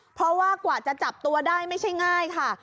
เพราะว่ากว่าจะจับตัวได้ไม่ใช่ง่ายค่ะ